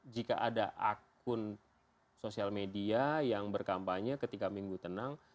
jika ada akun sosial media yang berkampanye ketika minggu tenang